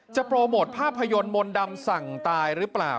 โปรโมทภาพยนตร์มนต์ดำสั่งตายหรือเปล่า